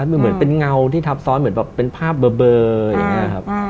มันเหมือนเป็นเงาที่ทับซ้อนเหมือนแบบเป็นภาพเบอร์อย่างนี้ครับ